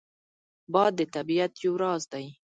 باد د طبیعت یو راز دی